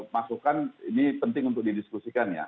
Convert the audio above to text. masukan ini penting untuk didiskusikan ya